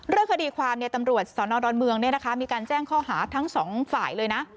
เรื่องคดีความตำรวจสนดอนเมืองมีการแจ้งข้อหาทั้งสองฝ่ายเลยนะ